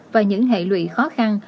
và những hệ lụy khó khăn